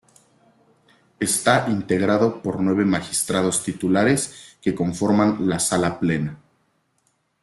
Está integrado por nueve Magistrados titulares que conforman la Sala Plena.